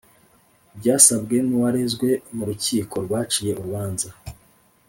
Byasabwe n’uwarezwe mu rukiko rwaciye urubanza